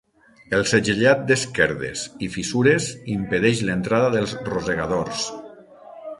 El segellat d'esquerdes i fissures impedeix l'entrada dels rosegadors.